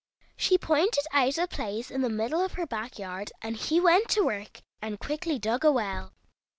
She pointed out a place in the middle of her back yard, and he went to work and quickly dug a well.